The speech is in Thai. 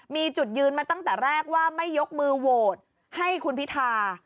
มีจุดยืนมาตั้งแต่แรกว่าไม่ยกมือโหวตให้คุณพิธา